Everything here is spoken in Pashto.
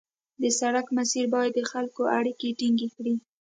د سړک مسیر باید د خلکو اړیکې ټینګې کړي